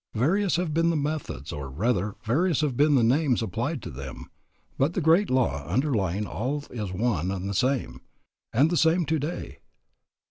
Various have been the methods, or rather, various have been the names applied to them, but the great law underlying all is one and the same, and the same today.